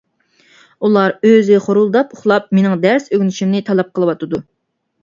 ئۇلار ئۆزى خورۇلداپ ئۇخلاپ، مېنىڭ دەرس ئۆگىنىشىمنى تەلەپ قىلىۋاتىدۇ.